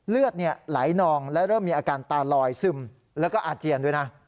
เลือดไหลนองและเริ่มมีอาการตาลอยซึมแล้วก็อาเจียนด้วยนะ